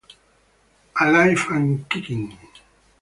Alive and Kicking